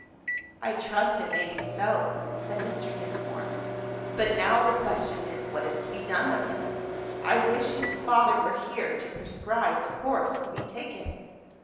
"I trust it may be so," said Mr. Dinsmore. "But now the question is, what is to be done with him? I wish his father were here to prescribe the course to be taken."